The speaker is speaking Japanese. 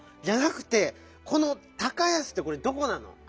じゃなくてこの「高安」ってこれどこなの？